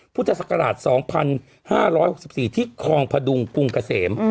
พุทธศักราช๒๕๖๔ที่คลองพดุงกรุงเกษม